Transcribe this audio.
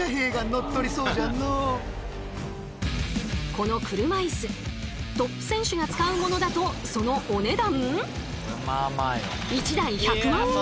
この車いすトップ選手が使うものだとそのお値段？